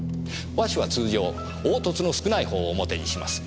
和紙は通常凹凸の少ない方を表にします。